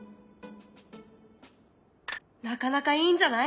なかなかいいんじゃない？